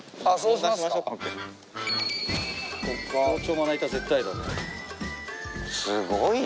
包丁まな板絶対だね。